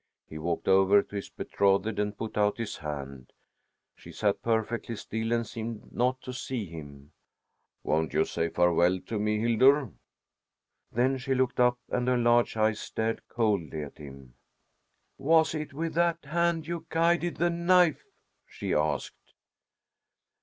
He walked over to his betrothed and put out his hand. She sat perfectly still and seemed not to see him. "Won't you say farewell to me, Hildur?" Then she looked up, and her large eyes stared coldly at him. "Was it with that hand you guided the knife?" she asked.